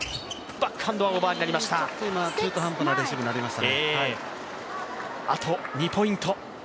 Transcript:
ちょっと今、中途半端なレシーブになりましたね。